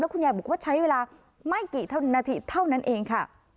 คุณยายบอกว่าใช้เวลาไม่กี่นาทีเท่านั้นเองค่ะ